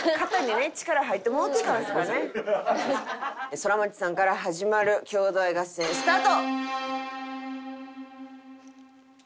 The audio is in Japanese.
ソラマチさんから始まる郷土愛合戦スタート！